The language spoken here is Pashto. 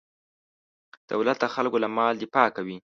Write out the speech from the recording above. دولت د خلکو له مال دفاع کوي.